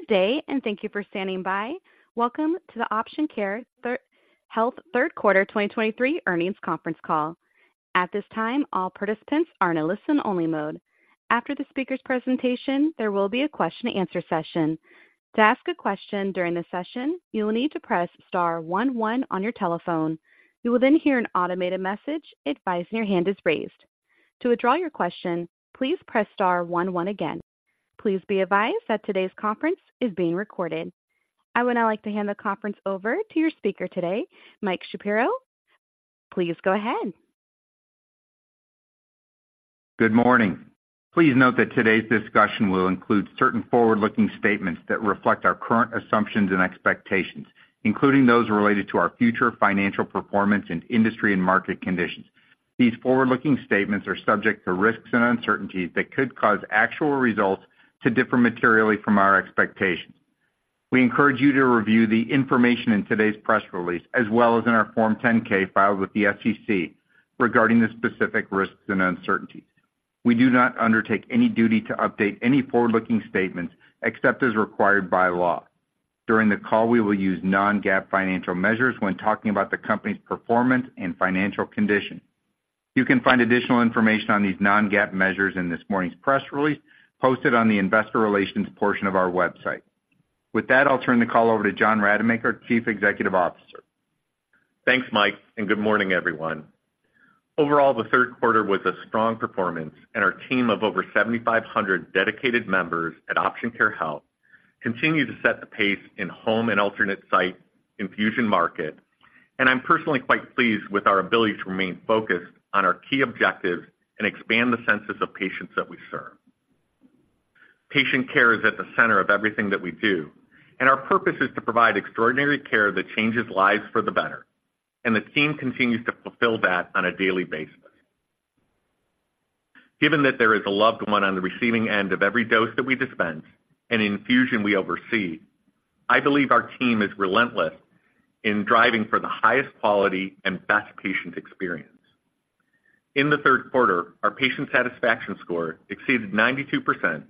Good day, and thank you for standing by. Welcome to the Option Care Health third quarter 2023 earnings conference call. At this time, all participants are in a listen-only mode. After the speaker's presentation, there will be a question-and-answer session. To ask a question during the session, you will need to press star one one on your telephone. You will then hear an automated message advising your hand is raised. To withdraw your question, please press star one one again. Please be advised that today's conference is being recorded. I would now like to hand the conference over to your speaker today, Mike Shapiro. Please go ahead. Good morning. Please note that today's discussion will include certain forward-looking statements that reflect our current assumptions and expectations, including those related to our future financial performance and industry and market conditions. These forward-looking statements are subject to risks and uncertainties that could cause actual results to differ materially from our expectations. We encourage you to review the information in today's press release, as well as in our Form 10-K filed with the SEC regarding the specific risks and uncertainties. We do not undertake any duty to update any forward-looking statements except as required by law. During the call, we will use non-GAAP financial measures when talking about the company's performance and financial condition. You can find additional information on these non-GAAP measures in this morning's press release posted on the investor relations portion of our website. With that, I'll turn the call over to John Rademacher, Chief Executive Officer. Thanks, Mike, and good morning, everyone. Overall, the third quarter was a strong performance, and our team of over 7,500 dedicated members at Option Care Health continue to set the pace in home and alternate site infusion market. And I'm personally quite pleased with our ability to remain focused on our key objectives and expand the census of patients that we serve. Patient care is at the center of everything that we do, and our purpose is to provide extraordinary care that changes lives for the better, and the team continues to fulfill that on a daily basis. Given that there is a loved one on the receiving end of every dose that we dispense and infusion we oversee, I believe our team is relentless in driving for the highest quality and best patient experience. In the third quarter, our patient satisfaction score exceeded 92%,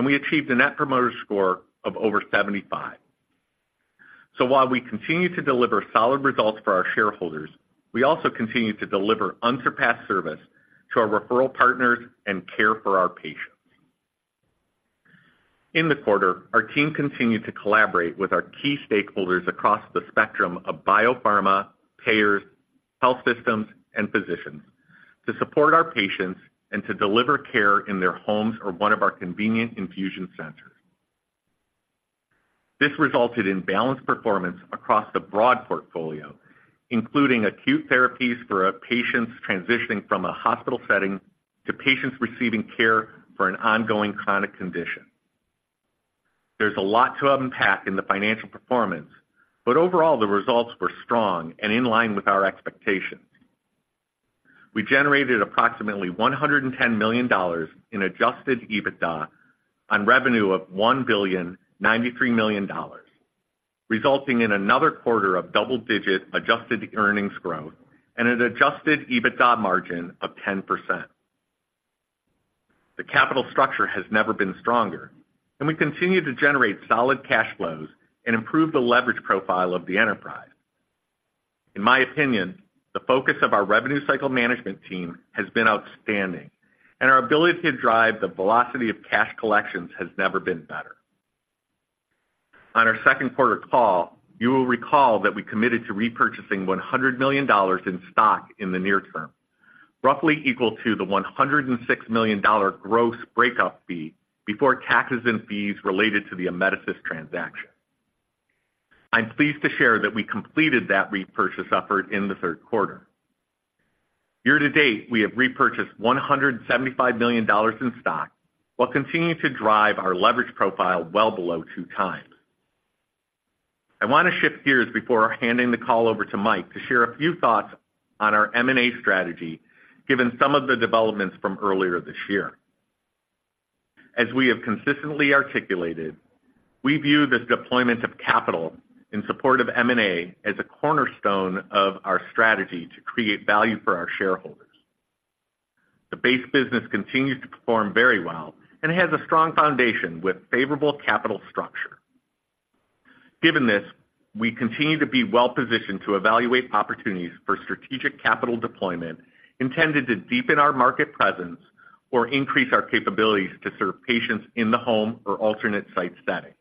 and we achieved a Net Promoter Score of over 75. So while we continue to deliver solid results for our shareholders, we also continue to deliver unsurpassed service to our referral partners and care for our patients. In the quarter, our team continued to collaborate with our key stakeholders across the spectrum of biopharma, payers, health systems, and physicians to support our patients and to deliver care in their homes or one of our convenient infusion centers. This resulted in balanced performance across a broad portfolio, including acute therapies for our patients transitioning from a hospital setting to patients receiving care for an ongoing chronic condition. There's a lot to unpack in the financial performance, but overall, the results were strong and in line with our expectations. We generated approximately $110 million in Adjusted EBITDA on revenue of $1.093 billion, resulting in another quarter of double-digit adjusted earnings growth and an Adjusted EBITDA margin of 10%. The capital structure has never been stronger, and we continue to generate solid cash flows and improve the leverage profile of the enterprise. In my opinion, the focus of our revenue cycle management team has been outstanding, and our ability to drive the velocity of cash collections has never been better. On our second quarter call, you will recall that we committed to repurchasing $100 million in stock in the near term, roughly equal to the $106 million gross breakup fee before taxes and fees related to the Amedisys transaction. I'm pleased to share that we completed that repurchase effort in the third quarter. Year to date, we have repurchased $175 million in stock while continuing to drive our leverage profile well below 2x. I want to shift gears before handing the call over to Mike to share a few thoughts on our M&A strategy, given some of the developments from earlier this year. As we have consistently articulated, we view this deployment of capital in support of M&A as a cornerstone of our strategy to create value for our shareholders. The base business continues to perform very well and has a strong foundation with favorable capital structure. Given this, we continue to be well positioned to evaluate opportunities for strategic capital deployment intended to deepen our market presence or increase our capabilities to serve patients in the home or alternate site setting.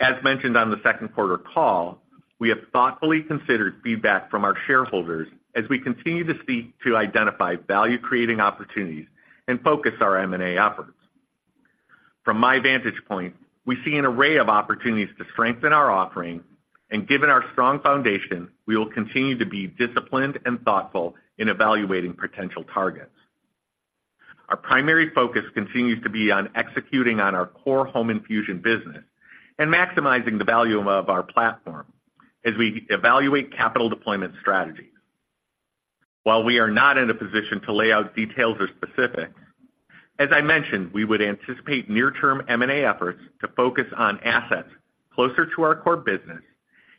As mentioned on the second quarter call, we have thoughtfully considered feedback from our shareholders as we continue to seek to identify value-creating opportunities and focus our M&A efforts. From my vantage point, we see an array of opportunities to strengthen our offering, and given our strong foundation, we will continue to be disciplined and thoughtful in evaluating potential targets. Our primary focus continues to be on executing on our core home infusion business and maximizing the value of our platform as we evaluate capital deployment strategies. While we are not in a position to lay out details or specifics, as I mentioned, we would anticipate near-term M&A efforts to focus on assets closer to our core business,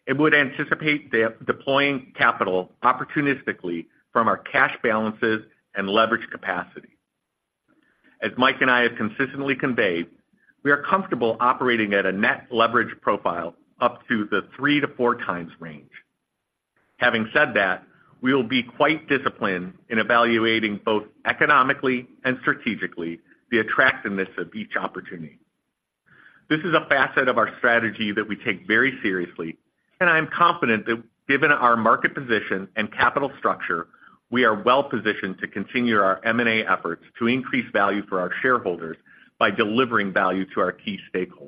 and would anticipate redeploying capital opportunistically from our cash balances and leverage capacity. As Mike and I have consistently conveyed, we are comfortable operating at a Net Leverage Profile up to the 3x-4x range. Having said that, we will be quite disciplined in evaluating both economically and strategically, the attractiveness of each opportunity. This is a facet of our strategy that we take very seriously, and I am confident that given our market position and capital structure, we are well positioned to continue our M&A efforts to increase value for our shareholders by delivering value to our key stakeholders.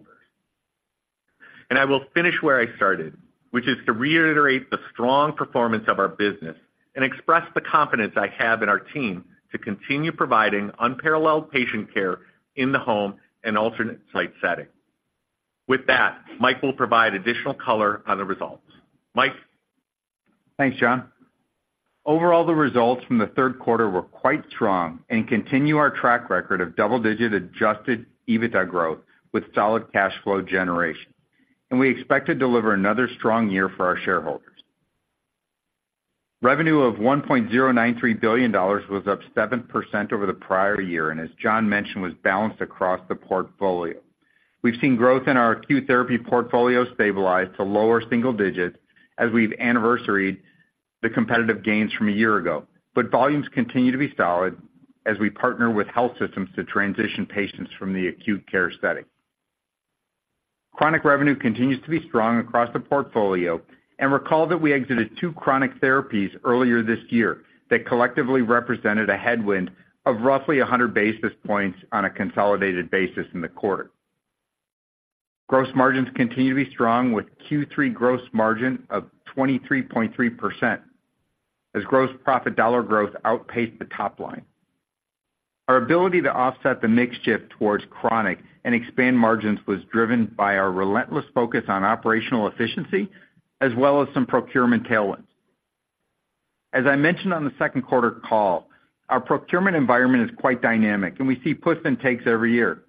I will finish where I started, which is to reiterate the strong performance of our business and express the confidence I have in our team to continue providing unparalleled patient care in the home and alternate site setting. With that, Mike will provide additional color on the results. Mike? Thanks, John. Overall, the results from the third quarter were quite strong and continue our track record of double-digit Adjusted EBITDA growth with solid cash flow generation, and we expect to deliver another strong year for our shareholders. Revenue of $1.093 billion was up 7% over the prior year, and as John mentioned, was balanced across the portfolio. We've seen growth in our acute therapy portfolio stabilize to lower single digits as we've anniversaried the competitive gains from a year ago. But volumes continue to be solid as we partner with health systems to transition patients from the acute care setting. Chronic revenue continues to be strong across the portfolio, and recall that we exited two chronic therapies earlier this year that collectively represented a headwind of roughly 100 basis points on a consolidated basis in the quarter. Gross margins continue to be strong, with Q3 gross margin of 23.3%, as gross profit dollar growth outpaced the top line. Our ability to offset the mix shift towards chronic and expand margins was driven by our relentless focus on operational efficiency, as well as some procurement tailwinds. As I mentioned on the second quarter call, our procurement environment is quite dynamic, and we see puts and takes every year.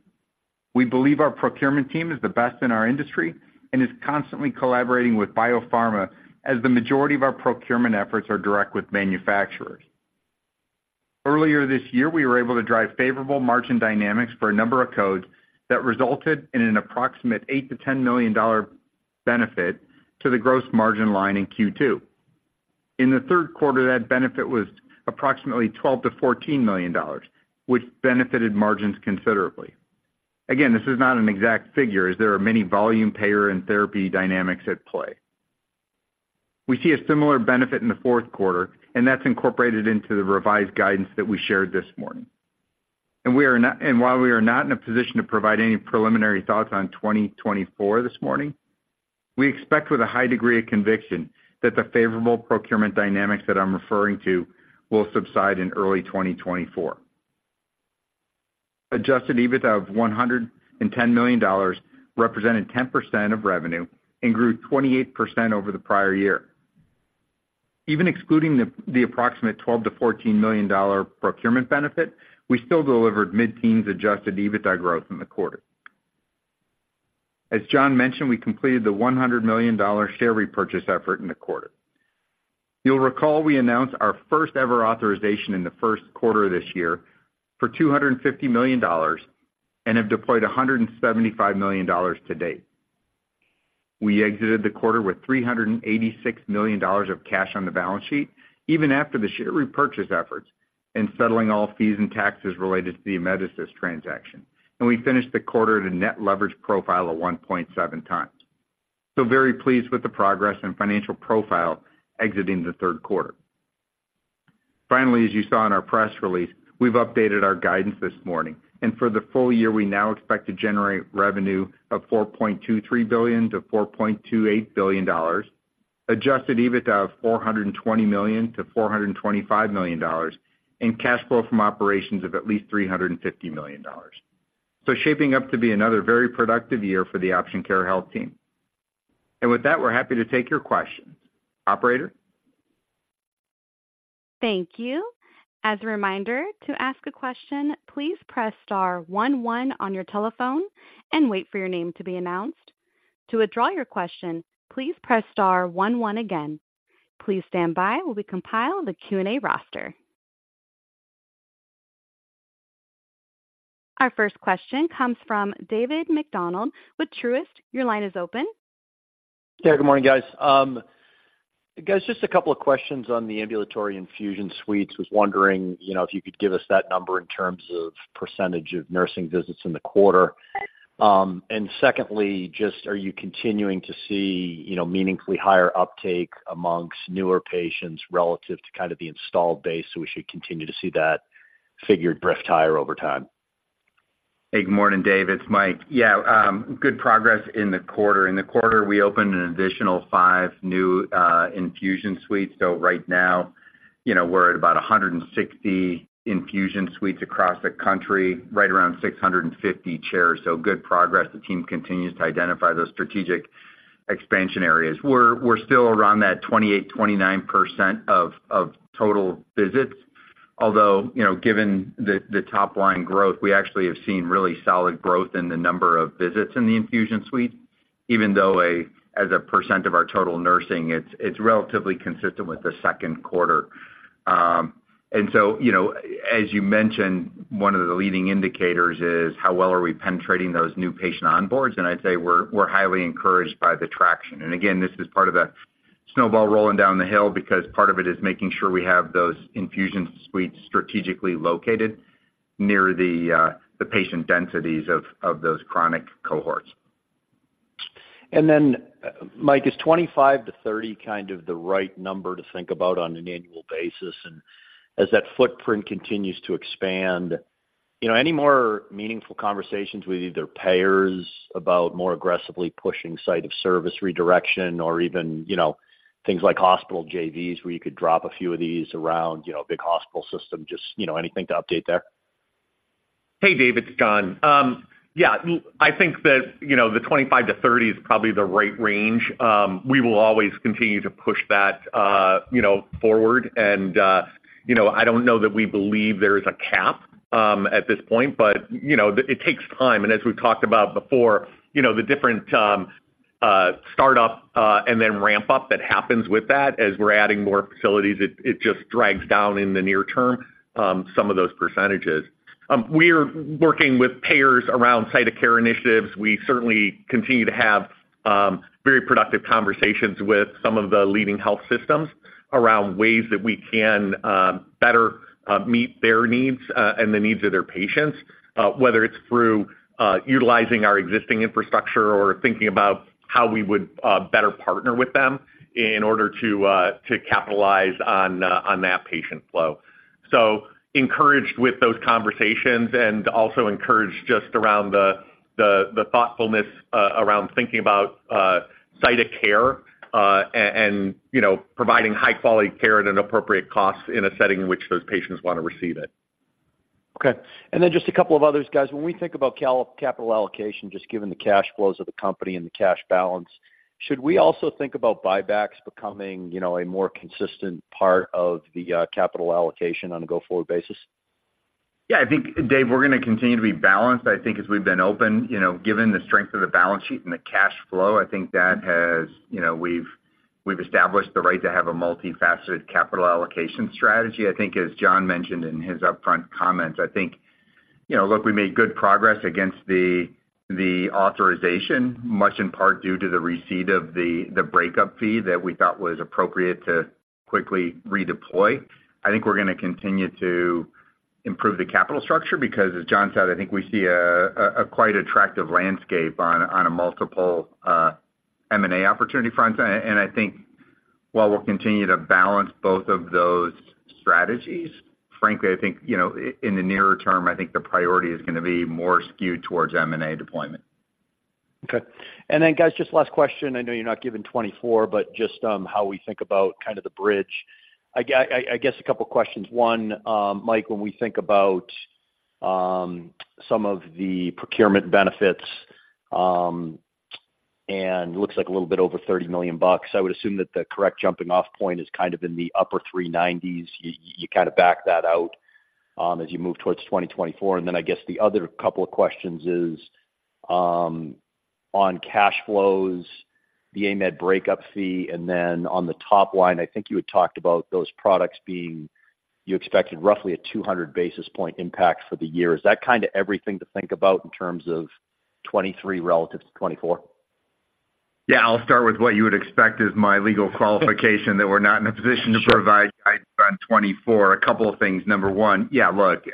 We believe our procurement team is the best in our industry and is constantly collaborating with biopharma, as the majority of our procurement efforts are direct with manufacturers. Earlier this year, we were able to drive favorable margin dynamics for a number of codes that resulted in an approximate $8 million-$10 million benefit to the gross margin line in Q2. In the third quarter, that benefit was approximately $12 million-$14 million, which benefited margins considerably. Again, this is not an exact figure, as there are many volume, payer, and therapy dynamics at play. We see a similar benefit in the fourth quarter, and that's incorporated into the revised guidance that we shared this morning. While we are not in a position to provide any preliminary thoughts on 2024 this morning, we expect with a high degree of conviction that the favorable procurement dynamics that I'm referring to will subside in early 2024. Adjusted EBITDA of $110 million represented 10% of revenue and grew 28% over the prior year. Even excluding the approximate $12 million-$14 million procurement benefit, we still delivered mid-teens Adjusted EBITDA growth in the quarter. As John mentioned, we completed the $100 million share repurchase effort in the quarter. You'll recall we announced our first-ever authorization in the first quarter of this year for $250 million and have deployed $175 million to date. We exited the quarter with $386 million of cash on the balance sheet, even after the share repurchase efforts and settling all fees and taxes related to the Amedisys transaction, and we finished the quarter at a Net Leverage Profile of 1.7x. So very pleased with the progress and financial profile exiting the third quarter. Finally, as you saw in our press release, we've updated our guidance this morning, and for the full year, we now expect to generate revenue of $4.23 billion-$4.28 billion, Adjusted EBITDA of $420 million-$425 million, and cash flow from operations of at least $350 million. So shaping up to be another very productive year for the Option Care Health team. And with that, we're happy to take your questions. Operator? Thank you. As a reminder, to ask a question, please press star one one on your telephone and wait for your name to be announced. To withdraw your question, please press star one one again. Please stand by while we compile the Q&A roster. Our first question comes from David MacDonald with Truist. Your line is open. Yeah, good morning, guys. Guys, just a couple of questions on the ambulatory infusion suites. Was wondering, you know, if you could give us that number in terms of percentage of nursing visits in the quarter. And secondly, just, are you continuing to see, you know, meaningfully higher uptake amongst newer patients relative to kind of the installed base, so we should continue to see that figure drift higher over time? Hey, good morning, David. It's Mike. Yeah, good progress in the quarter. In the quarter, we opened an additional five new infusion suites. So right now, you know, we're at about 160 infusion suites across the country, right around 650 chairs, so good progress. The team continues to identify those strategic expansion areas. We're still around that 28%-29% of total visits. Although, you know, given the top line growth, we actually have seen really solid growth in the number of visits in the infusion suite, even though as a percent of our total nursing, it's relatively consistent with the second quarter. And so, you know, as you mentioned, one of the leading indicators is how well are we penetrating those new patient onboards, and I'd say we're highly encouraged by the traction. And again, this is part of the snowball rolling down the hill because part of it is making sure we have those infusion suites strategically located near the patient densities of those chronic cohorts. Then, Mike, is 25%-30% kind of the right number to think about on an annual basis? As that footprint continues to expand, you know, any more meaningful conversations with either payers about more aggressively pushing site of service redirection or even, you know, things like hospital JVs, where you could drop a few of these around, you know, a big hospital system, just, you know, anything to update there? Hey, Dave, it's John. Yeah, I think that, you know, the 25%-30% is probably the right range. We will always continue to push that, you know, forward. And, you know, I don't know that we believe there is a cap, at this point, but, you know, it takes time. And as we've talked about before, you know, the different, start up, and then ramp up that happens with that as we're adding more facilities, it just drags down in the near term, some of those percentages. We're working with payers around site of care initiatives. We certainly continue to have very productive conversations with some of the leading health systems around ways that we can better meet their needs and the needs of their patients, whether it's through utilizing our existing infrastructure or thinking about how we would better partner with them in order to capitalize on that patient flow. So encouraged with those conversations and also encouraged just around the thoughtfulness around thinking about site of care and, you know, providing high-quality care at an appropriate cost in a setting in which those patients want to receive it. Okay. And then just a couple of others, guys. When we think about capital allocation, just given the cash flows of the company and the cash balance, should we also think about buybacks becoming, you know, a more consistent part of the capital allocation on a go-forward basis? Yeah, I think, Dave, we're gonna continue to be balanced. I think as we've been open, you know, given the strength of the balance sheet and the cash flow, I think that has, you know, we've established the right to have a multifaceted capital allocation strategy. I think as John mentioned in his upfront comments, I think, you know, look, we made good progress against the acquisition, much in part due to the receipt of the breakup fee that we thought was appropriate to quickly redeploy. I think we're gonna continue to improve the capital structure because as John said, I think we see a quite attractive landscape on a multiple M&A opportunity front. And I think while we'll continue to balance both of those strategies, frankly, I think, you know, in the nearer term, I think the priority is gonna be more skewed towards M&A deployment. Okay. And then, guys, just last question. I know you're not giving 2024, but just how we think about kind of the bridge. I guess a couple of questions. One, Mike, when we think about some of the procurement benefits, and it looks like a little bit over $30 million, I would assume that the correct jumping-off point is kind of in the upper 390s. You kind of back that out as you move towards 2024. And then I guess the other couple of questions is on cash flows, the Amed breakup fee, and then on the top line, I think you had talked about those products being you expected roughly a 200 basis point impact for the year. Is that kind of everything to think about in terms of 2023 relative to 2024? Yeah, I'll start with what you would expect is my legal qualification, that we're not in a position to provide- Sure... guidance on 2024. A couple of things. Number one, yeah, look,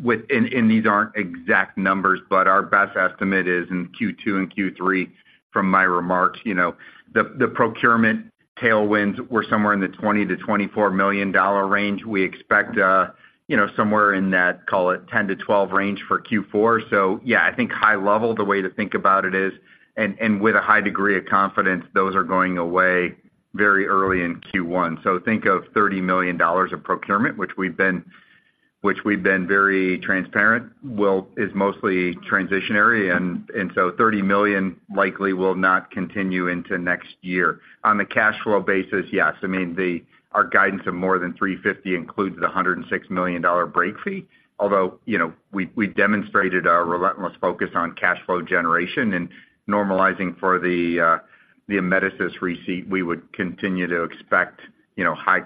with and, and these aren't exact numbers, but our best estimate is in Q2 and Q3 from my remarks, you know, the procurement tailwinds were somewhere in the $20 million-$24 million range. We expect, you know, somewhere in that, call it, $10 million-$12 million range for Q4. So yeah, I think high level, the way to think about it is, and, and with a high degree of confidence, those are going away very early in Q1. So think of $30 million of procurement, which we've been very transparent, well, is mostly transitory, and, and so $30 million likely will not continue into next year. On the cash flow basis, yes, I mean, the, our guidance of more than $350 million includes the $106 million break fee. Although, you know, we demonstrated our relentless focus on cash flow generation and normalizing for the Amedisys receipt, we would continue to expect, you know, high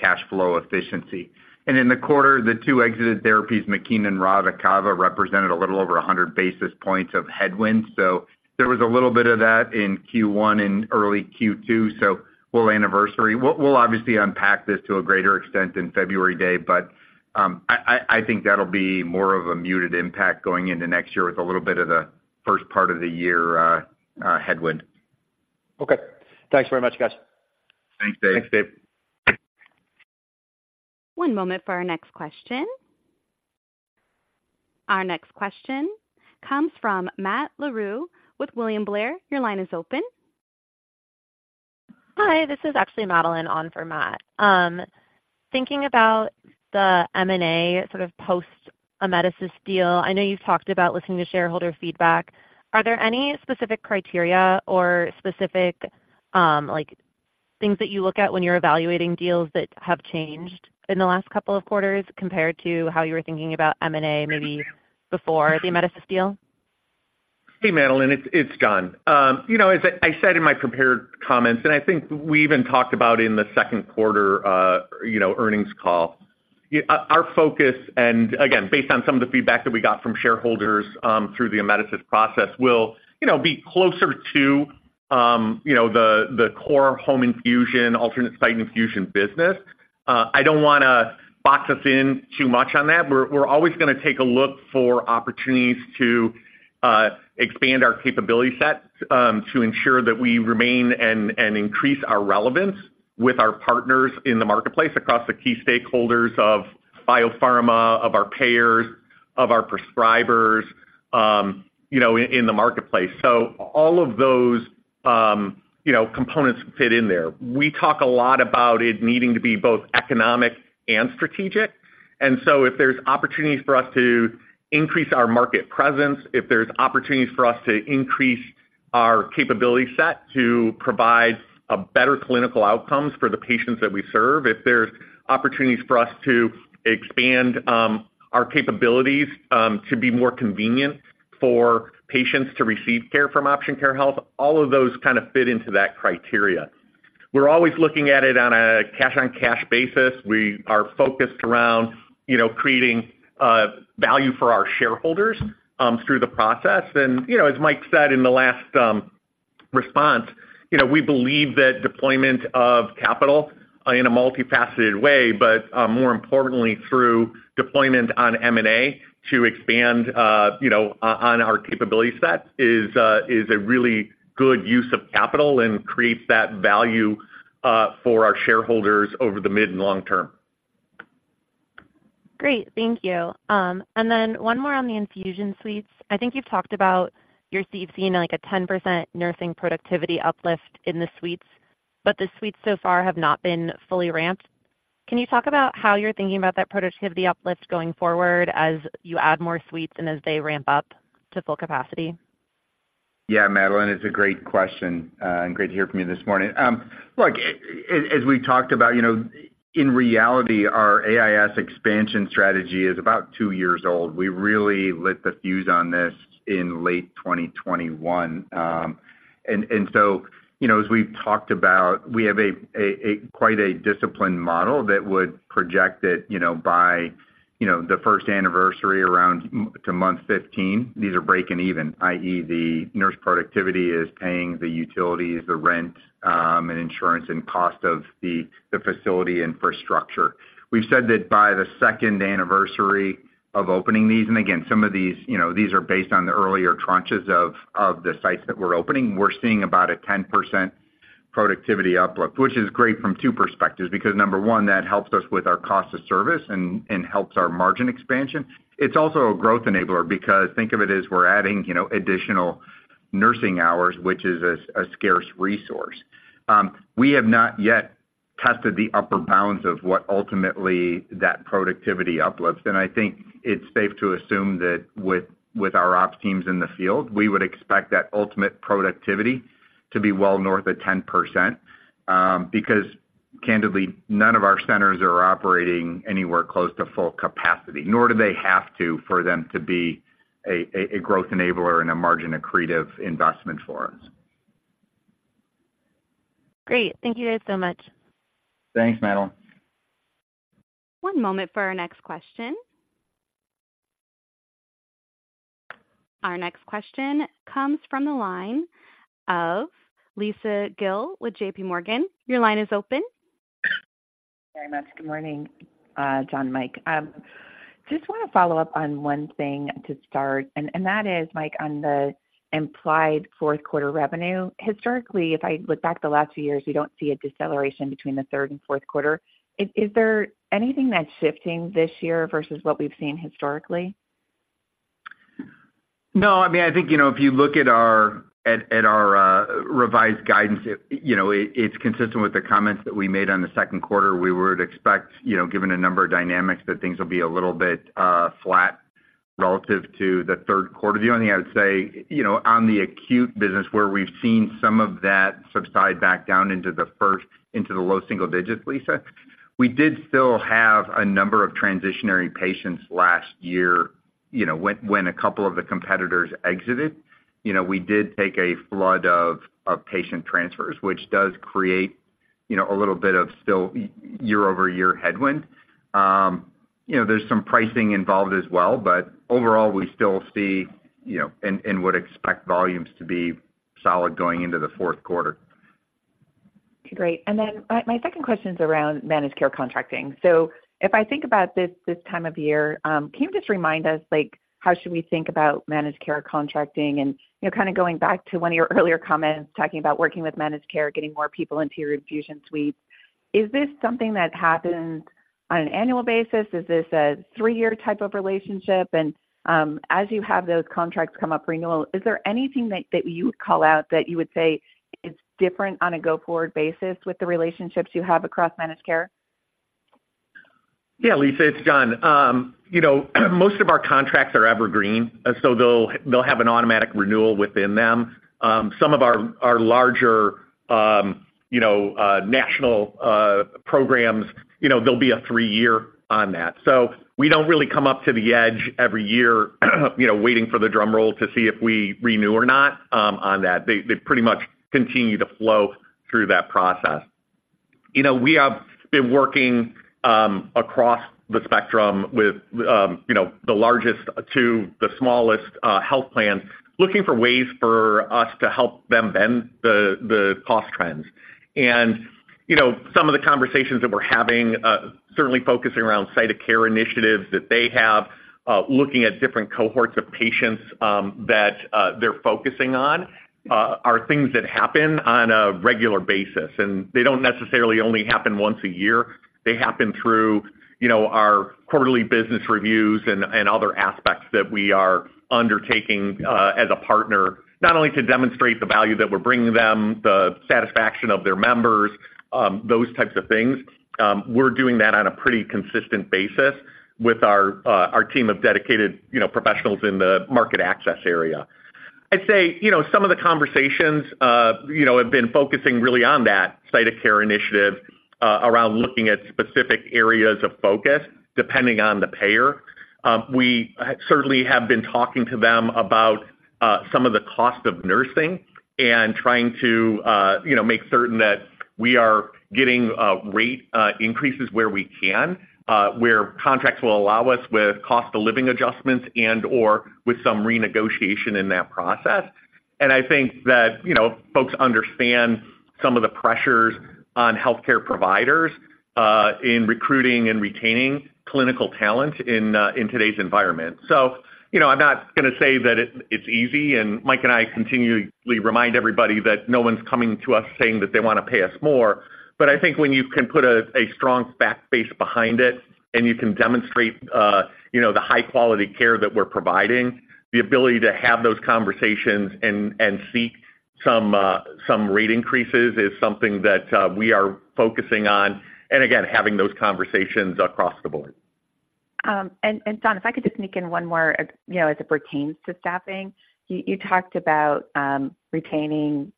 cash flow efficiency. And in the quarter, the two exited therapies, Makena and Radicava, represented a little over 100 basis points of headwind. So there was a little bit of that in Q1 and early Q2, so we'll anniversary. We'll obviously unpack this to a greater extent in February, Dave, but I think that'll be more of a muted impact going into next year with a little bit of the first part of the year headwind. Okay. Thanks very much, guys. Thanks, Dave. Thanks, Dave. One moment for our next question. Our next question comes from Matt Larew with William Blair. Your line is open. Hi, this is actually Madeline on for Matt. Thinking about the M&A sort of post-Amedisys deal. I know you've talked about listening to shareholder feedback. Are there any specific criteria or specific, like, things that you look at when you're evaluating deals that have changed in the last couple of quarters compared to how you were thinking about M&A maybe before the Amedisys deal? Hey, Madeline, it's John. You know, as I said in my prepared comments, and I think we even talked about in the second quarter earnings call, our focus and again, based on some of the feedback that we got from shareholders through the Amedisys process, will, you know, be closer to the core home infusion, alternate site infusion business. I don't want to box us in too much on that. We're always going to take a look for opportunities to expand our capability set to ensure that we remain and increase our relevance with our partners in the marketplace, across the key stakeholders of biopharma, of our payers, of our prescribers, you know, in the marketplace. So all of those, you know, components fit in there. We talk a lot about it needing to be both economic and strategic. And so if there's opportunities for us to increase our market presence, if there's opportunities for us to increase our capability set to provide a better clinical outcomes for the patients that we serve, if there's opportunities for us to expand our capabilities to be more convenient for patients to receive care from Option Care Health, all of those kind of fit into that criteria. We're always looking at it on a cash-on-cash basis. We are focused around, you know, creating value for our shareholders through the process. You know, as Mike said in the last response, you know, we believe that deployment of capital in a multifaceted way, but more importantly, through deployment on M&A to expand, you know, on our capability set is a really good use of capital and creates that value for our shareholders over the mid and long term. Great, thank you. And then one more on the infusion suites. I think you've talked about you're seeing, like, a 10% nursing productivity uplift in the suites, but the suites so far have not been fully ramped. Can you talk about how you're thinking about that productivity uplift going forward as you add more suites and as they ramp up to full capacity? Yeah, Madeline, it's a great question, and great to hear from you this morning. Look, as we talked about, you know, in reality, our AIS expansion strategy is about two years old. We really lit the fuse on this in late 2021. And so, you know, as we've talked about, we have quite a disciplined model that would project that, you know, by the first anniversary around month 10 to month 15, these are breaking even, i.e., the nurse productivity is paying the utilities, the rent, and insurance and cost of the facility infrastructure. We've said that by the second anniversary of opening these, and again, some of these, you know, these are based on the earlier tranches of the sites that we're opening, we're seeing about a 10% productivity uplift, which is great from two perspectives. Because number one, that helps us with our cost of service and helps our margin expansion. It's also a growth enabler because think of it as we're adding, you know, additional nursing hours, which is a scarce resource. We have not yet tested the upper bounds of what ultimately that productivity uplifts. I think it's safe to assume that with our ops teams in the field, we would expect that ultimate productivity to be well north of 10%, because candidly, none of our centers are operating anywhere close to full capacity, nor do they have to, for them to be a growth enabler and a margin accretive investment for us. Great. Thank you guys so much. Thanks, Madeline. One moment for our next question. Our next question comes from the line of Lisa Gill with JP Morgan. Your line is open. Very much. Good morning, John and Mike. Just want to follow up on one thing to start, and that is, Mike, on the implied fourth quarter revenue. Historically, if I look back the last few years, you don't see a deceleration between the third and fourth quarter. Is there anything that's shifting this year versus what we've seen historically? No, I mean, I think, you know, if you look at our revised guidance, you know, it's consistent with the comments that we made on the second quarter. We would expect, you know, given a number of dynamics, that things will be a little bit flat relative to the third quarter. The only thing I would say, you know, on the acute business, where we've seen some of that subside back down into the first into the low single digits, Lisa, we did still have a number of transitionary patients last year, you know, when a couple of the competitors exited. You know, we did take a flood of patient transfers, which does create, you know, a little bit of still year over year headwind. You know, there's some pricing involved as well, but overall, we still see, you know, and, and would expect volumes to be solid going into the fourth quarter. Great. And then my second question is around managed care contracting. So if I think about this, this time of year, can you just remind us, like, how should we think about managed care contracting? And, you know, kind of going back to one of your earlier comments, talking about working with managed care, getting more people into your infusion suites. Is this something that happens on an annual basis? Is this a three-year type of relationship? And, as you have those contracts come up renewal, is there anything that you would call out that you would say is different on a go-forward basis with the relationships you have across managed care?... Yeah, Lisa, it's John. You know, most of our contracts are evergreen, so they'll have an automatic renewal within them. Some of our larger, you know, national programs, you know, there'll be a three-year on that. So we don't really come up to the edge every year, you know, waiting for the drum roll to see if we renew or not, on that. They pretty much continue to flow through that process. You know, we have been working across the spectrum with, you know, the largest to the smallest health plans, looking for ways for us to help them bend the cost trends. You know, some of the conversations that we're having certainly focus around site of care initiatives that they have, looking at different cohorts of patients that they're focusing on, are things that happen on a regular basis, and they don't necessarily only happen once a year. They happen through, you know, our quarterly business reviews and other aspects that we are undertaking as a partner, not only to demonstrate the value that we're bringing them, the satisfaction of their members, those types of things. We're doing that on a pretty consistent basis with our team of dedicated, you know, professionals in the market access area. I'd say, you know, some of the conversations, you know, have been focusing really on that site of care initiative, around looking at specific areas of focus, depending on the payer. We certainly have been talking to them about some of the cost of nursing and trying to, you know, make certain that we are getting rate increases where we can, where contracts will allow us with cost of living adjustments and/or with some renegotiation in that process. And I think that, you know, folks understand some of the pressures on healthcare providers in recruiting and retaining clinical talent in today's environment. So, you know, I'm not going to say that it, it's easy, and Mike and I continually remind everybody that no one's coming to us saying that they want to pay us more. But I think when you can put a strong fact base behind it, and you can demonstrate, you know, the high quality care that we're providing, the ability to have those conversations and seek some rate increases is something that we are focusing on, and again, having those conversations across the board. And John, if I could just sneak in one more, you know, as it pertains to staffing. You talked about retaining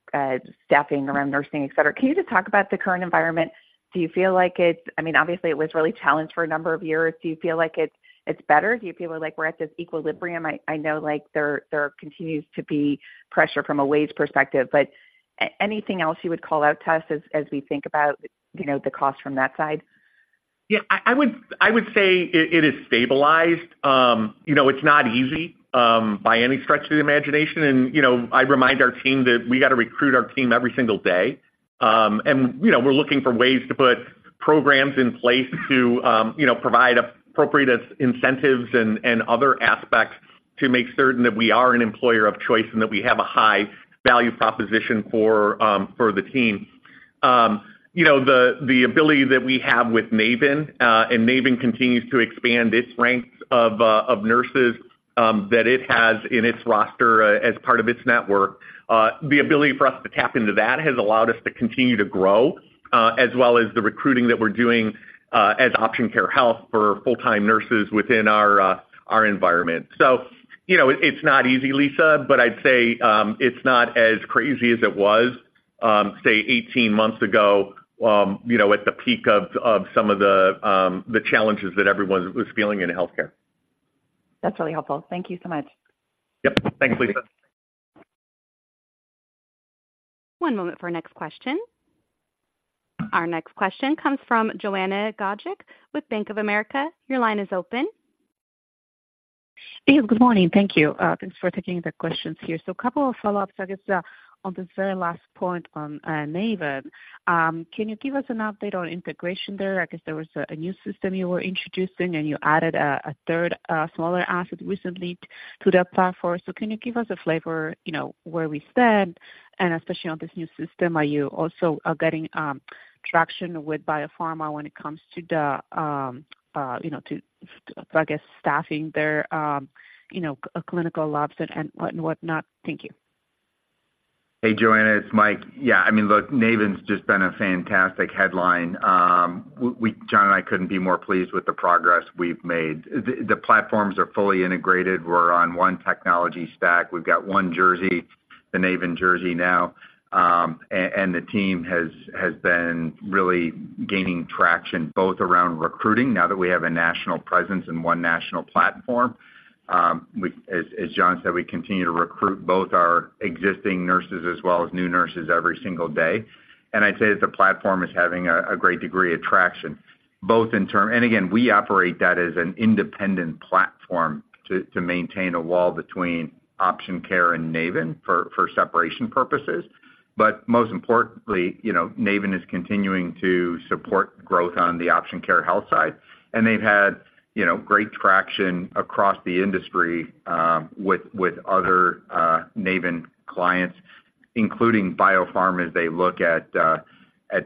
staffing around nursing, et cetera. Can you just talk about the current environment? Do you feel like it—I mean, obviously, it was really challenged for a number of years. Do you feel like it's better? Do you feel like we're at this equilibrium? I know, like, there continues to be pressure from a wage perspective, but anything else you would call out to us as we think about, you know, the cost from that side? Yeah, I would say it is stabilized. You know, it's not easy by any stretch of the imagination, and you know, I remind our team that we got to recruit our team every single day. And you know, we're looking for ways to put programs in place to you know, provide appropriate incentives and other aspects to make certain that we are an employer of choice and that we have a high value proposition for the team. You know, the ability that we have with Naven, and Naven continues to expand its ranks of nurses that it has in its roster as part of its network. The ability for us to tap into that has allowed us to continue to grow, as well as the recruiting that we're doing, as Option Care Health for full-time nurses within our, our environment. So, you know, it's not easy, Lisa, but I'd say, it's not as crazy as it was, say, 18 months ago, you know, at the peak of some of the, the challenges that everyone was feeling in healthcare. That's really helpful. Thank you so much. Yep. Thanks, Lisa. One moment for our next question. Our next question comes from Joanna Gajuk with Bank of America. Your line is open. Hey, good morning. Thank you. Thanks for taking the questions here. So a couple of follow-ups, I guess, on the very last point on Naven. Can you give us an update on integration there? I guess there was a new system you were introducing, and you added a third smaller asset recently to that platform. So can you give us a flavor, you know, where we stand, and especially on this new system, are you also getting traction with biopharma when it comes to the, you know, to, I guess, staffing their, you know, clinical labs and what, and whatnot? Thank you. Hey, Joanna, it's Mike. Yeah, I mean, look, Naven's just been a fantastic headline. We—John and I couldn't be more pleased with the progress we've made. The platforms are fully integrated. We're on one technology stack. We've got one jersey, the Naven jersey now, and the team has been really gaining traction, both around recruiting, now that we have a national presence and one national platform. As John said, we continue to recruit both our existing nurses as well as new nurses every single day. And I'd say that the platform is having a great degree of traction, both in terms. And again, we operate that as an independent platform to maintain a wall between Option Care and Naven for separation purposes. But most importantly, you know, Naven is continuing to support growth on the Option Care Health side, and they've had, you know, great traction across the industry, with other Naven clients, including biopharma, as they look at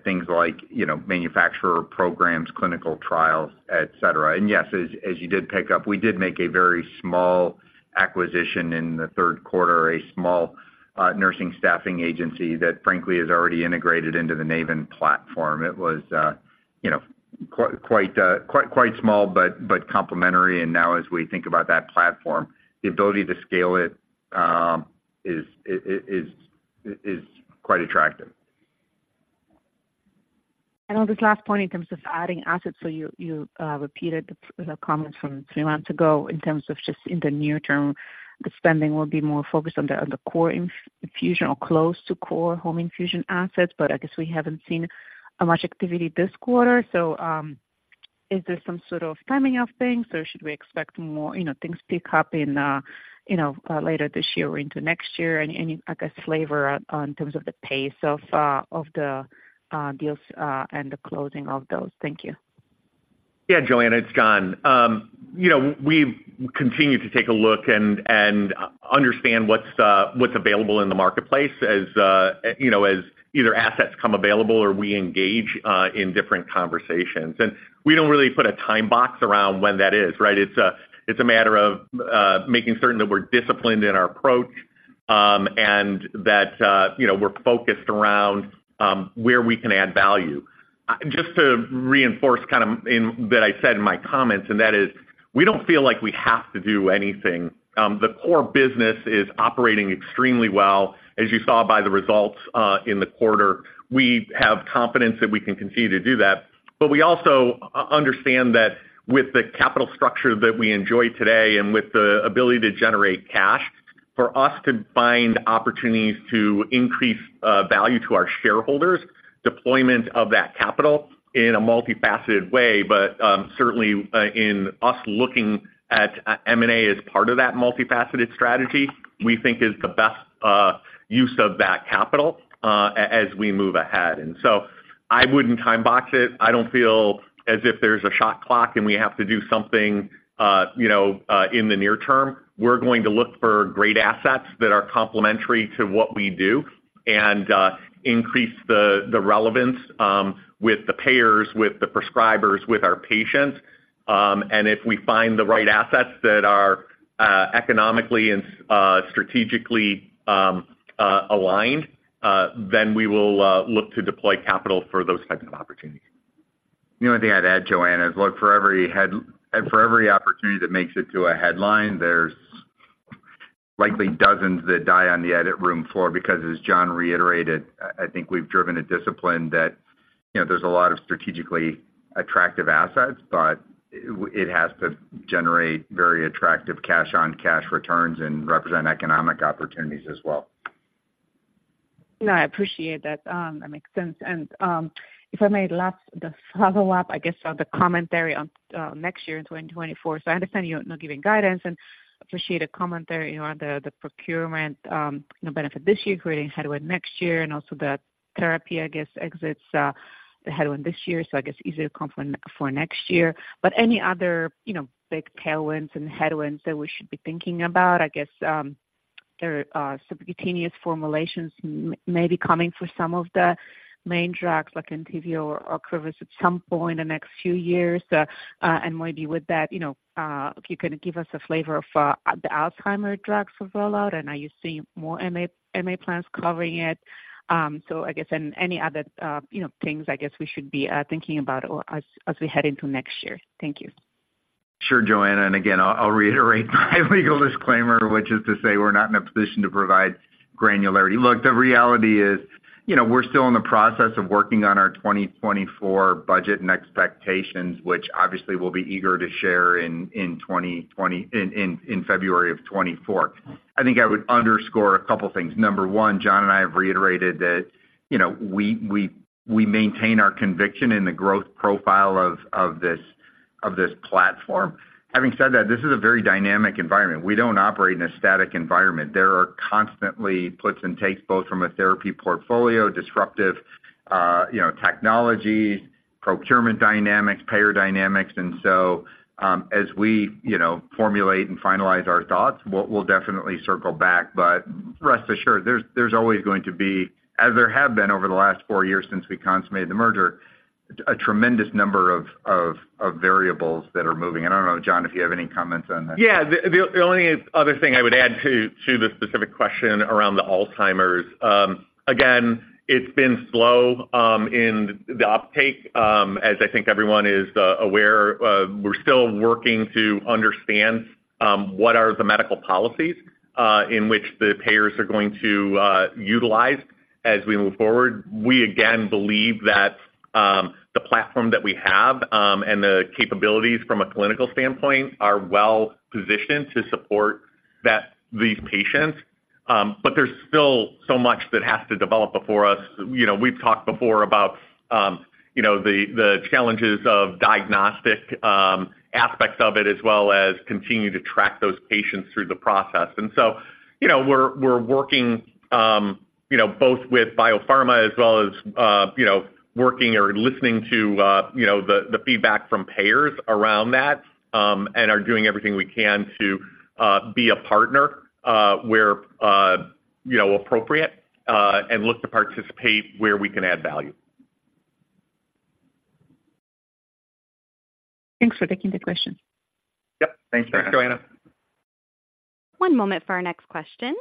things like, you know, manufacturer programs, clinical trials, et cetera. And yes, as you did pick up, we did make a very small acquisition in the third quarter, a small nursing staffing agency that, frankly, is already integrated into the Naven platform. It was, you know, quite small, but complementary. And now as we think about that platform, the ability to scale it is quite attractive. On this last point, in terms of adding assets, so you repeated the comment from three months ago in terms of just in the near term, the spending will be more focused on the core infusion or close to core home infusion assets. But I guess we haven't seen much activity this quarter. So, is there some sort of timing of things, or should we expect more, you know, things to pick up in, you know, later this year or into next year? And any, I guess, flavor on terms of the pace of the deals and the closing of those? Thank you. Yeah, Joanna, it's John. You know, we continue to take a look and understand what's available in the marketplace as, you know, as either assets come available or we engage in different conversations. And we don't really put a time box around when that is, right? It's a matter of making certain that we're disciplined in our approach, and that, you know, we're focused around where we can add value. Just to reinforce kind of in that I said in my comments, and that is, we don't feel like we have to do anything. The core business is operating extremely well, as you saw by the results in the quarter. We have confidence that we can continue to do that. But we also understand that with the capital structure that we enjoy today, and with the ability to generate cash, for us to find opportunities to increase value to our shareholders, deployment of that capital in a multifaceted way, but certainly in us looking at M&A as part of that multifaceted strategy, we think is the best use of that capital as we move ahead. And so I wouldn't time box it. I don't feel as if there's a shot clock, and we have to do something, you know, in the near term. We're going to look for great assets that are complementary to what we do and increase the relevance with the payers, with the prescribers, with our patients. If we find the right assets that are economically and strategically aligned, then we will look to deploy capital for those types of opportunities. The only thing I'd add, Joanna, is look, for every opportunity that makes it to a headline, there's likely dozens that die on the edit room floor, because as John reiterated, I think we've driven a discipline that, you know, there's a lot of strategically attractive assets, but it has to generate very attractive cash on cash returns and represent economic opportunities as well. No, I appreciate that. That makes sense. And, if I may last the follow-up, I guess, on the commentary on, next year in 2024. So I understand you're not giving guidance and appreciate a commentary on the, the procurement, you know, benefit this year, creating headwind next year, and also the therapy, I guess, exits, the headwind this year, so I guess easier comp for next year. But any other, you know, big tailwinds and headwinds that we should be thinking about? I guess, there are, subcutaneous formulations may be coming for some of the main drugs, like Entyvio or Orencia, at some point in the next few years. And maybe with that, you know, if you can give us a flavor of, the Alzheimer's drugs for rollout, and are you seeing more MA plans covering it? So I guess, and any other, you know, things I guess we should be thinking about or as, as we head into next year. Thank you. Sure, Joanna, and again, I'll reiterate my legal disclaimer, which is to say we're not in a position to provide granularity. Look, the reality is, you know, we're still in the process of working on our 2024 budget and expectations, which obviously we'll be eager to share in 2024 in February of 2024. I think I would underscore a couple of things. Number one, John and I have reiterated that, you know, we maintain our conviction in the growth profile of this platform. Having said that, this is a very dynamic environment. We don't operate in a static environment. There are constantly puts and takes, both from a therapy portfolio, disruptive, you know, technologies, procurement dynamics, payer dynamics. And so, as we, you know, formulate and finalize our thoughts, we'll definitely circle back. But rest assured, there's always going to be, as there have been over the last four years since we consummated the merger, a tremendous number of variables that are moving. And I don't know, John, if you have any comments on that. Yeah, the only other thing I would add to the specific question around the Alzheimer's. Again, it's been slow in the uptake. As I think everyone is aware, we're still working to understand what are the medical policies in which the payers are going to utilize as we move forward. We again believe that the platform that we have and the capabilities from a clinical standpoint are well positioned to support that—these patients. But there's still so much that has to develop before us. You know, we've talked before about you know the challenges of diagnostic aspects of it, as well as continue to track those patients through the process. So, you know, we're working, you know, both with biopharma as well as, you know, working or listening to, you know, the feedback from payers around that, and are doing everything we can to be a partner, where, you know, appropriate, and look to participate where we can add value.... Thanks for taking the question. Yep. Thanks, Joanna. One moment for our next question.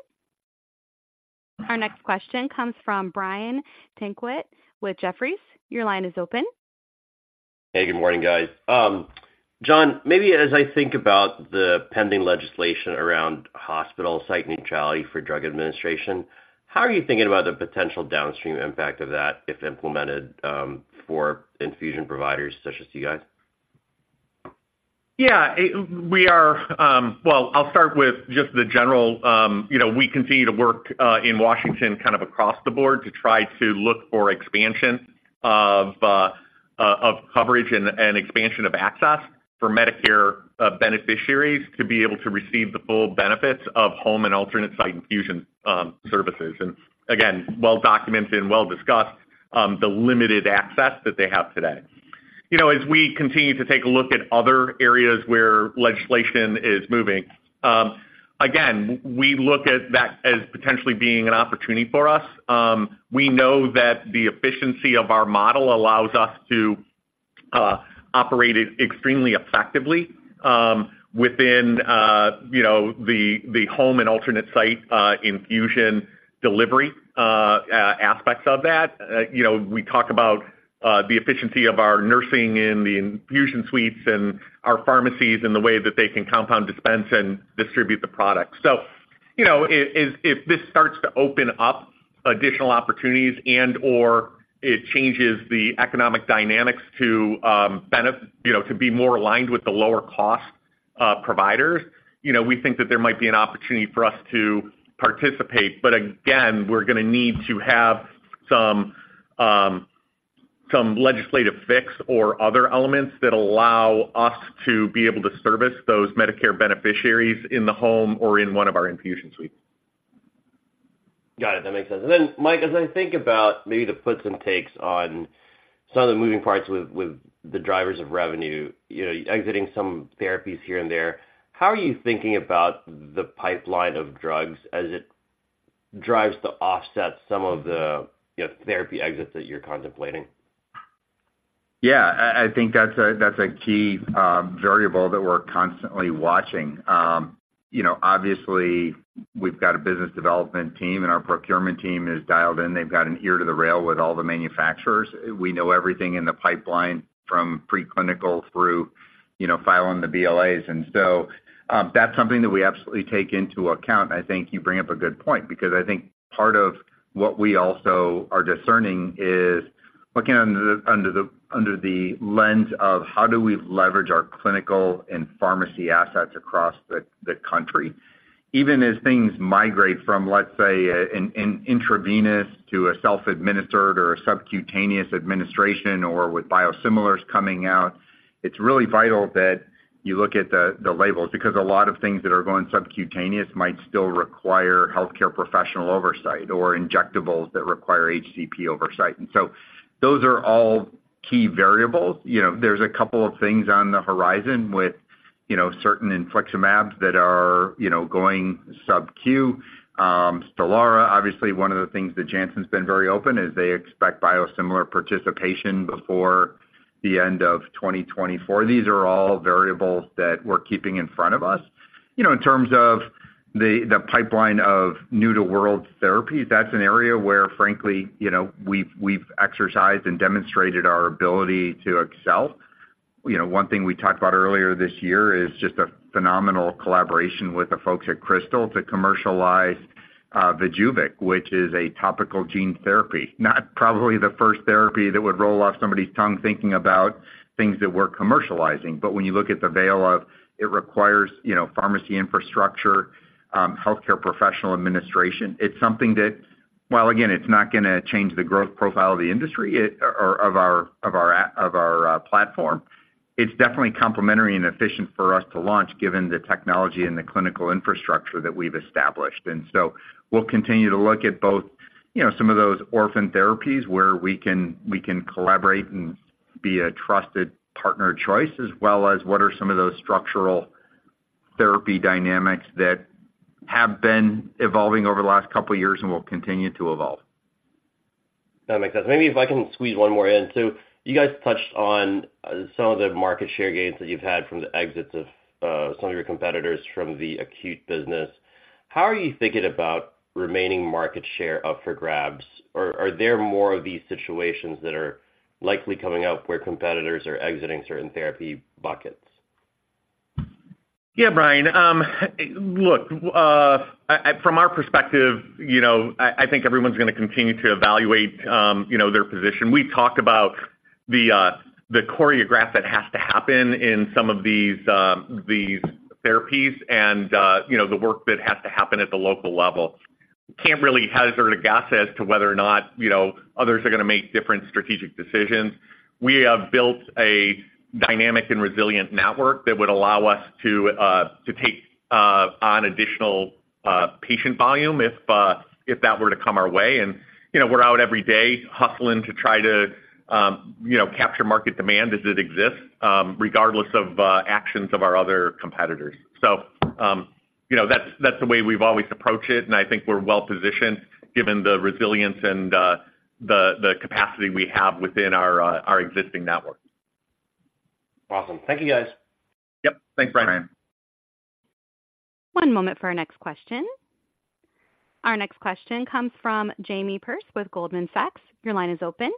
Our next question comes from Brian Tanquilut with Jefferies. Your line is open. Hey, good morning, guys. John, maybe as I think about the pending legislation around hospital site neutrality for drug administration, how are you thinking about the potential downstream impact of that if implemented, for infusion providers such as you guys? Yeah, we are. Well, I'll start with just the general, you know, we continue to work in Washington, kind of across the board to try to look for expansion of coverage and expansion of access for Medicare beneficiaries to be able to receive the full benefits of home and alternate site infusion services. And again, well documented and well discussed, the limited access that they have today. You know, as we continue to take a look at other areas where legislation is moving, again, we look at that as potentially being an opportunity for us. We know that the efficiency of our model allows us to operate it extremely effectively within, you know, the home and alternate site infusion delivery aspects of that. You know, we talk about the efficiency of our nursing in the infusion suites and our pharmacies and the way that they can compound, dispense, and distribute the product. So, you know, if this starts to open up additional opportunities and/or it changes the economic dynamics to you know, to be more aligned with the lower cost providers, you know, we think that there might be an opportunity for us to participate. But again, we're going to need to have some some legislative fix or other elements that allow us to be able to service those Medicare beneficiaries in the home or in one of our infusion suites. Got it. That makes sense. And then, Mike, as I think about maybe the puts and takes on some of the moving parts with, with the drivers of revenue, you know, exiting some therapies here and there, how are you thinking about the pipeline of drugs as it drives to offset some of the, you know, therapy exits that you're contemplating? Yeah, I, I think that's a, that's a key variable that we're constantly watching. You know, obviously, we've got a business development team, and our procurement team is dialed in. They've got an ear to the rail with all the manufacturers. We know everything in the pipeline from preclinical through, you know, filing the BLAs. And so, that's something that we absolutely take into account. I think you bring up a good point because I think part of what we also are discerning is looking under the, under the, under the lens of how do we leverage our clinical and pharmacy assets across the, the country. Even as things migrate from, let's say, an intravenous to a self-administered or a subcutaneous administration or with biosimilars coming out, it's really vital that you look at the labels, because a lot of things that are going subcutaneous might still require healthcare professional oversight or injectables that require HCP oversight. And so those are all key variables. You know, there's a couple of things on the horizon with, you know, certain infliximabs that are, you know, going subQ. Stelara, obviously, one of the things that Janssen's been very open, is they expect biosimilar participation before the end of 2024. These are all variables that we're keeping in front of us. You know, in terms of the pipeline of new to world therapies, that's an area where, frankly, you know, we've exercised and demonstrated our ability to excel. You know, one thing we talked about earlier this year is just a phenomenal collaboration with the folks at Krystal to commercialize, VYJUVEK, which is a topical gene therapy. Not probably the first therapy that would roll off somebody's tongue thinking about things that we're commercializing, but when you look at the value of what it requires, you know, pharmacy infrastructure, healthcare professional administration, it's something that, while again, it's not going to change the growth profile of the industry, or of our platform, it's definitely complementary and efficient for us to launch given the technology and the clinical infrastructure that we've established. And so we'll continue to look at both, you know, some of those orphan therapies where we can, we can collaborate and be a trusted partner of choice, as well as what are some of those structural therapy dynamics that have been evolving over the last couple of years and will continue to evolve. That makes sense. Maybe if I can squeeze one more in. So you guys touched on some of the market share gains that you've had from the exits of some of your competitors from the acute business. How are you thinking about remaining market share up for grabs? Or are there more of these situations that are likely coming up where competitors are exiting certain therapy buckets? Yeah, Brian. Look, from our perspective, you know, I think everyone's going to continue to evaluate, you know, their position. We talked about the choreograph that has to happen in some of these therapies and, you know, the work that has to happen at the local level. Can't really hazard a guess as to whether or not, you know, others are going to make different strategic decisions. We have built a dynamic and resilient network that would allow us to take on additional patient volume if that were to come our way. And, you know, we're out every day hustling to try to, you know, capture market demand as it exists, regardless of actions of our other competitors. So, you know, that's the way we've always approached it, and I think we're well positioned given the resilience and the capacity we have within our existing network. Awesome. Thank you, guys. Yep. Thanks, Brian. One moment for our next question. Our next question comes from Jamie Perse with Goldman Sachs. Your line is open.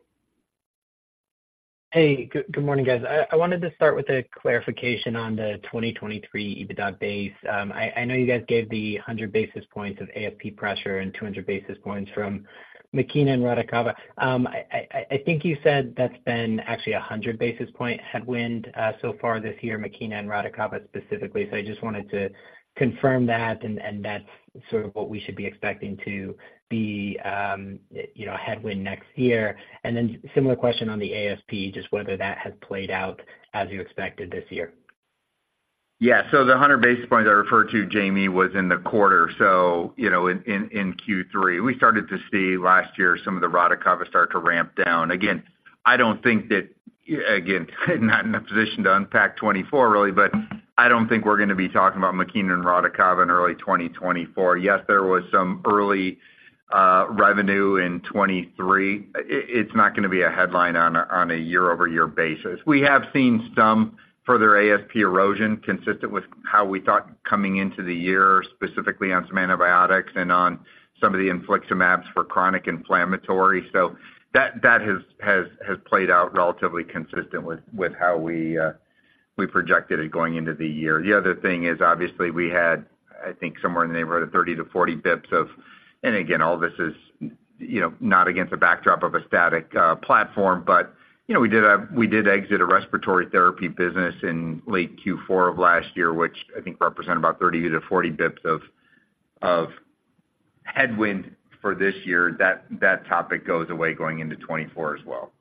Hey, good, good morning, guys. I wanted to start with a clarification on the 2023 EBITDA base. I know you guys gave the 100 basis points of ASP pressure and 200 basis points from Makena and Radicava. I think you said that's been actually a 100 basis point headwind so far this year, Makena and Radicava specifically. So I just wanted to confirm that, and that's sort of what we should be expecting to be, you know, a headwind next year. And then similar question on the ASP, just whether that has played out as you expected this year? Yeah. So the 100 basis points I referred to, Jamie, was in the quarter, so, you know, in Q3. We started to see last year some of the Radicava start to ramp down. Again, I don't think that. Again, not in a position to unpack 2024 really, but I don't think we're gonna be talking about Makena and Radicava in early 2024. Yes, there was some early revenue in 2023. It, it's not gonna be a headline on a year-over-year basis. We have seen some further ASP erosion, consistent with how we thought coming into the year, specifically on some antibiotics and on some of the infliximabs for chronic inflammatory. So that has played out relatively consistent with how we projected it going into the year. The other thing is, obviously, we had, I think, somewhere in the neighborhood of 30-40 basis points of... And again, all this is, you know, not against a backdrop of a static platform, but, you know, we did exit a respiratory therapy business in late Q4 of last year, which I think represented about 30-40 basis points of headwind for this year. That topic goes away going into 2024 as well.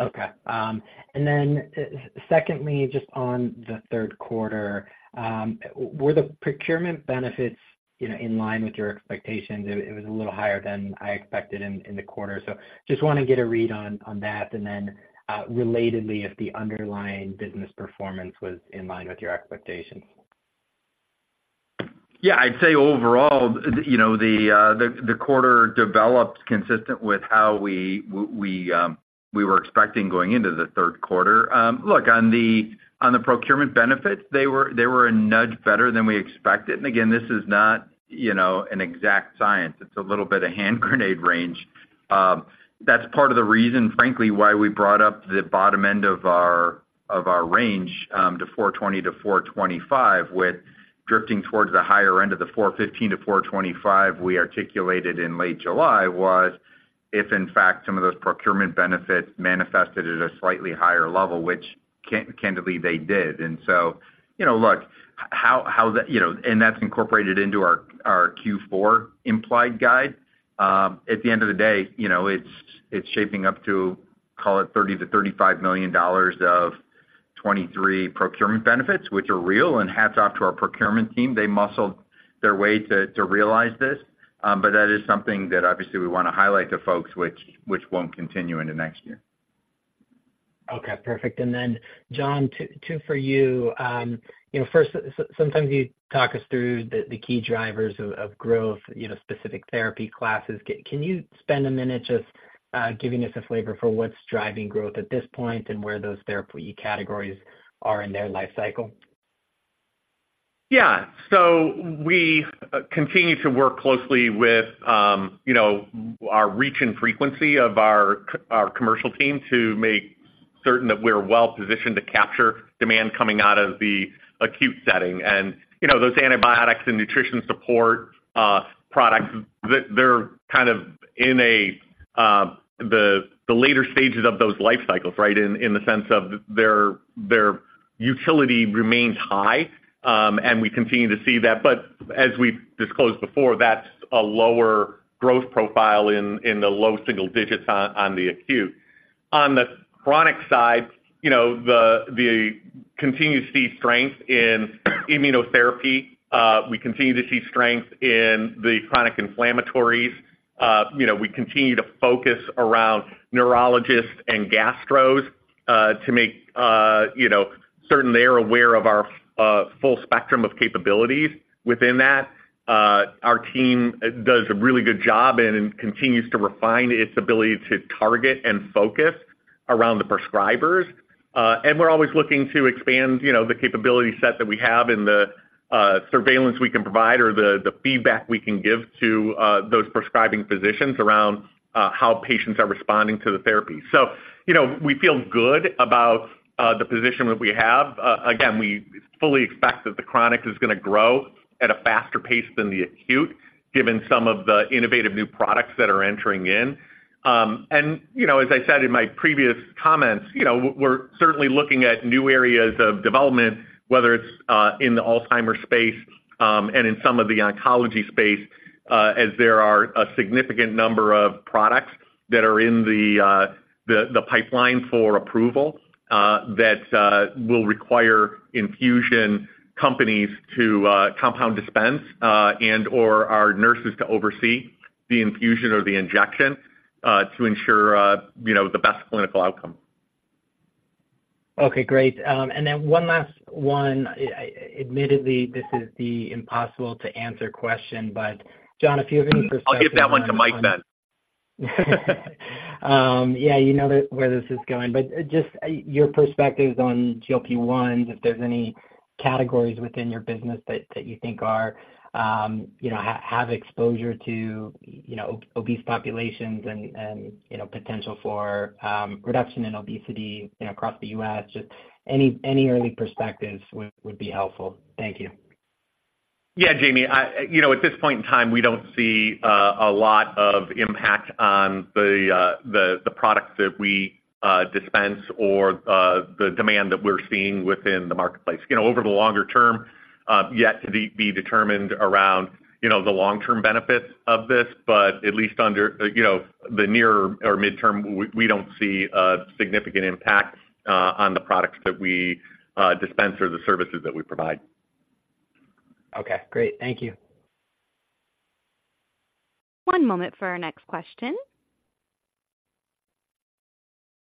Okay. And then, secondly, just on the third quarter, were the procurement benefits, you know, in line with your expectations? It was a little higher than I expected in the quarter. So just wanna get a read on that, and then, relatedly, if the underlying business performance was in line with your expectations. Yeah, I'd say overall, you know, the quarter developed consistent with how we were expecting going into the third quarter. Look, on the procurement benefits, they were a nudge better than we expected. And again, this is not, you know, an exact science. It's a little bit of hand grenade range. That's part of the reason, frankly, why we brought up the bottom end of our range to $420-$425, with drifting towards the higher end of the $415-$425 we articulated in late July, was if in fact, some of those procurement benefits manifested at a slightly higher level, which candidly, they did. And so, you know, look, how the... You know, and that's incorporated into our Q4 implied guide. At the end of the day, you know, it's shaping up to, call it $30 million-$35 million of 2023 procurement benefits, which are real, and hats off to our procurement team. They muscled their way to realize this. But that is something that obviously we wanna highlight to folks, which won't continue into next year. Okay, perfect. And then, John, two for you. You know, first, sometimes you talk us through the key drivers of growth, you know, specific therapy classes. Can you spend a minute just giving us a flavor for what's driving growth at this point and where those therapy categories are in their life cycle? Yeah. So we continue to work closely with, you know, our reach and frequency of our commercial team to make certain that we're well positioned to capture demand coming out of the acute setting. And, you know, those antibiotics and nutrition support products, they're kind of in the later stages of those life cycles, right? In the sense of their utility remains high, and we continue to see that. But as we've disclosed before, that's a lower growth profile in the low single digits on the acute. On the chronic side, you know, we continue to see strength in immunotherapy. We continue to see strength in the chronic inflammatories. You know, we continue to focus around neurologists and gastros, to make, you know, certain they're aware of our full spectrum of capabilities within that. Our team does a really good job and continues to refine its ability to target and focus around the prescribers. And we're always looking to expand, you know, the capability set that we have and the surveillance we can provide or the feedback we can give to those prescribing physicians around how patients are responding to the therapy. So, you know, we feel good about the position that we have. Again, we fully expect that the chronic is gonna grow at a faster pace than the acute, given some of the innovative new products that are entering in. And you know, as I said in my previous comments, you know, we're certainly looking at new areas of development, whether it's in the Alzheimer's space, and in some of the oncology space, as there are a significant number of products that are in the pipeline for approval, that will require infusion companies to compound dispense, and or our nurses to oversee the infusion or the injection, to ensure, you know, the best clinical outcome.... Okay, great. Then one last one. Admittedly, this is the impossible to answer question, but John, if you have any perspective- I'll give that one to Mike then. Yeah, you know where this is going, but just your perspectives on GLP-1, if there's any categories within your business that you think are, you know, have exposure to, you know, obese populations and, you know, potential for reduction in obesity, you know, across the U.S. Just any early perspectives would be helpful. Thank you. Yeah, Jamie, you know, at this point in time, we don't see a lot of impact on the products that we dispense or the demand that we're seeing within the marketplace. You know, over the longer term, yet to be determined around, you know, the long-term benefits of this, but at least under, you know, the near or midterm, we don't see a significant impact on the products that we dispense or the services that we provide. Okay, great. Thank you. One moment for our next question.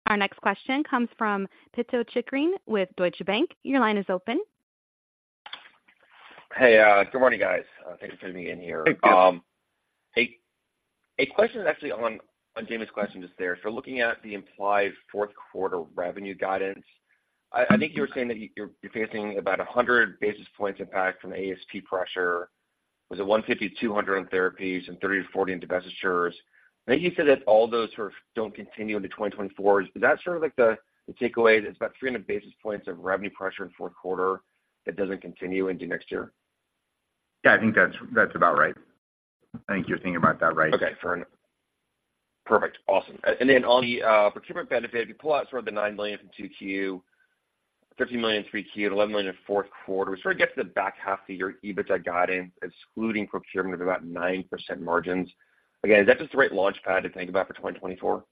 Our next question comes from Pito Chickering with Deutsche Bank. Your line is open. Hey, good morning, guys. Thanks for fitting me in here. Hey, Pito. A question actually on Jamie's question just there. So looking at the implied fourth quarter revenue guidance, I think you were saying that you're facing about 100 basis points impact from ASP pressure. Was it 150-200 in therapies and 30-40 in divestitures? I think you said that all those sort of don't continue into 2024. Is that sort of like the takeaway, is about 300 basis points of revenue pressure in fourth quarter that doesn't continue into next year? Yeah, I think that's, that's about right. I think you're thinking about that right. Okay, fair enough. Perfect. Awesome. And then on the procurement benefit, if you pull out sort of the $9 million from 2Q, $13 million, 3Q, and $11 million in fourth quarter, we sort of get to the back half of the year, EBITDA guidance, excluding procurement, of about 9% margins. Again, is that just the right launchpad to think about for 2024?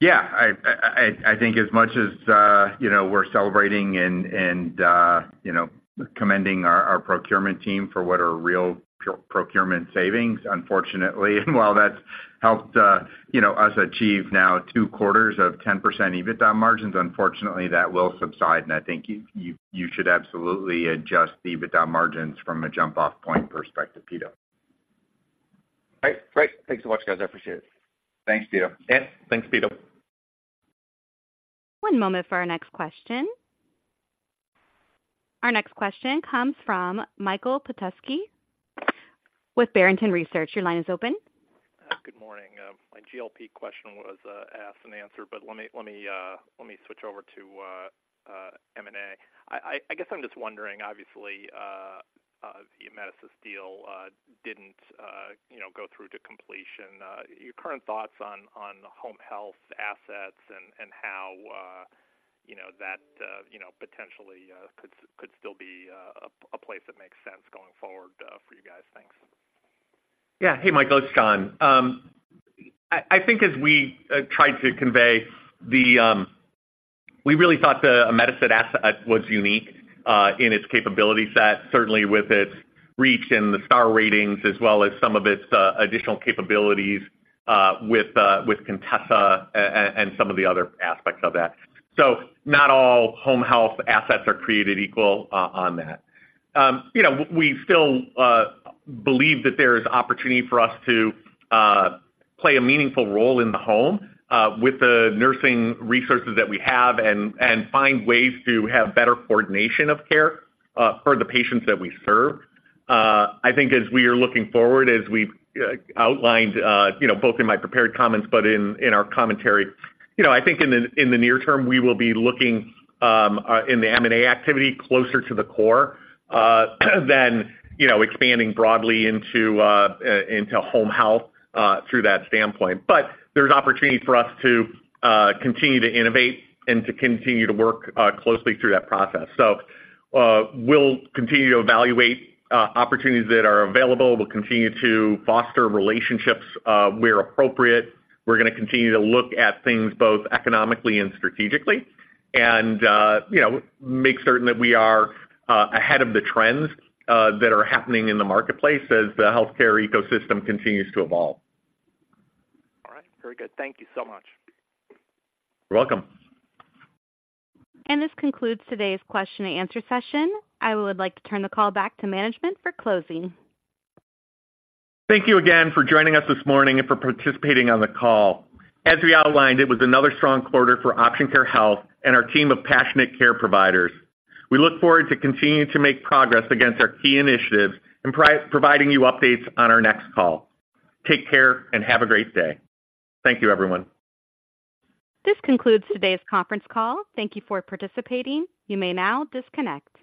Yeah. I think as much as, you know, we're celebrating and, you know, commending our procurement team for what are real procurement savings, unfortunately, while that's helped, you know, us achieve now two quarters of 10% EBITDA margins, unfortunately, that will subside. And I think you should absolutely adjust the EBITDA margins from a jump-off point perspective, Pito. Great. Great. Thanks so much, guys. I appreciate it. Thanks, Pito. Yeah, thanks, Pito. One moment for our next question. Our next question comes from Michael Petusky with Barrington Research. Your line is open. Good morning. My GLP question was asked and answered, but let me switch over to M&A. I guess I'm just wondering, obviously, the Amedisys deal didn't you know go through to completion. Your current thoughts on home health assets and how you know that you know potentially could still be a place that makes sense going forward for you guys. Thanks. Yeah. Hey, Michael, it's John. I think as we tried to convey the... We really thought the Amedisys asset was unique in its capability set, certainly with its reach and the star ratings, as well as some of its additional capabilities with Contessa and some of the other aspects of that. So not all home health assets are created equal on that. You know, we still believe that there is opportunity for us to play a meaningful role in the home with the nursing resources that we have and find ways to have better coordination of care for the patients that we serve. I think as we are looking forward, as we've outlined, you know, both in my prepared comments, but in our commentary, you know, I think in the near term, we will be looking in the M&A activity closer to the core than, you know, expanding broadly into home health through that standpoint. But there's opportunity for us to continue to innovate and to continue to work closely through that process. So, we'll continue to evaluate opportunities that are available. We'll continue to foster relationships where appropriate. We're gonna continue to look at things both economically and strategically, and, you know, make certain that we are ahead of the trends that are happening in the marketplace as the healthcare ecosystem continues to evolve. All right. Very good. Thank you so much. You're welcome. This concludes today's question and answer session. I would like to turn the call back to management for closing. Thank you again for joining us this morning and for participating on the call. As we outlined, it was another strong quarter for Option Care Health and our team of passionate care providers. We look forward to continuing to make progress against our key initiatives and providing you updates on our next call. Take care and have a great day. Thank you, everyone. This concludes today's conference call. Thank you for participating. You may now disconnect.